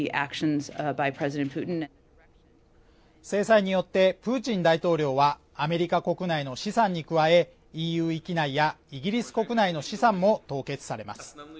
制裁によってプーチン大統領はアメリカ国内の資産に加えＥＵ域内やイギリス国内の資産も凍結されます